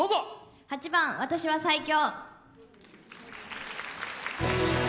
８番「私は最強」。